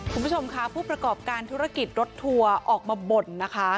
คุณผู้ชมค่ะผู้ประกอบการธุรกิจรถทัวร์ออกมาบ่นนะคะ